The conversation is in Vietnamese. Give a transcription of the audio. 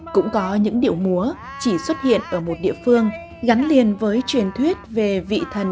cũng có những điệu múa chỉ xuất hiện ở một địa phương gắn liền với truyền thuyết về vị thần